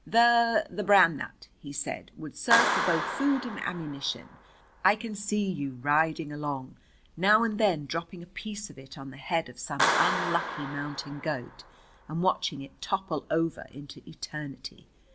"The the Bran Nut," he said, "would serve for both food and ammunition. I can see you riding along, now and then dropping a piece of it on the head of some unlucky mountain goat, and watching it topple over into eternity.